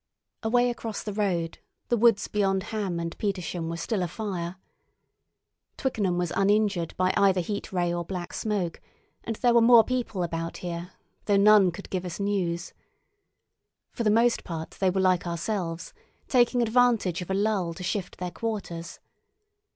Away across the road the woods beyond Ham and Petersham were still afire. Twickenham was uninjured by either Heat Ray or Black Smoke, and there were more people about here, though none could give us news. For the most part they were like ourselves, taking advantage of a lull to shift their quarters.